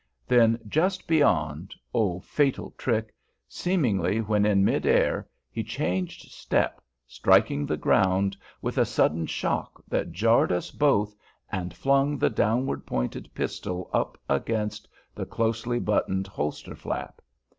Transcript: Then, just beyond, oh, fatal trick! seemingly when in mid air he changed step, striking the ground with a sudden shock that jarred us both and flung the downward pointed pistol up against the closely buttoned holster flap.